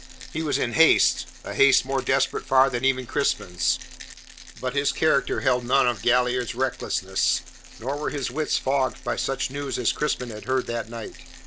He was in haste a haste more desperate far than even Crispin's. But his character held none of Galliard's recklessness, nor were his wits fogged by such news as Crispin had heard that night.